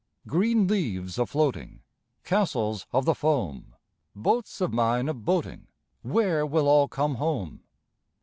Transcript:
Green leaves a floating, Castles of the foam, Boats of mine a boating— Where will all come home?